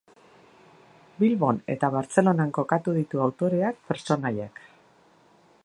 Bilbon eta Bartzelonan kokatu ditu autoreak pertsonaiak.